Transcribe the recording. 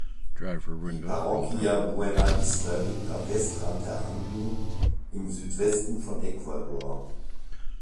Die Parroquia Buenavista liegt am Westrand der Anden im Südwesten von Ecuador.